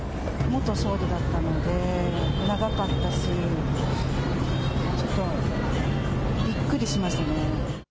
元総理だったので、長かったし、ちょっとびっくりしましたね。